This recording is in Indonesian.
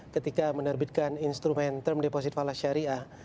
ketika menerbitkan instrumen term deposit falas syariah